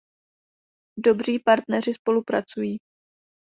Dobří partneři spolupracují.